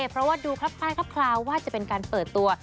เพราะว่าดูครับคล้ายครับคราวว่าจะเป็นการเปิดตัว